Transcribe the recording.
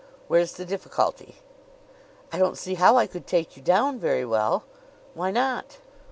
"Where's the difficulty?" "I don't see how I could take you down very well." "Why not?"